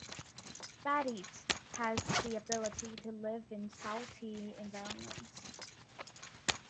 "Batis" has the ability to live in salty environments.